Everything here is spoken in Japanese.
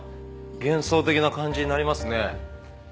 幻想的な感じになりますね。